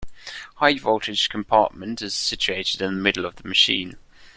High voltage compartment is situated in the middle of the machine.